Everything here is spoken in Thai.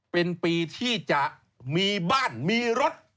เป็นปีที่จะมีบ้านมีรถ